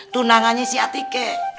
tunangannya si atikeh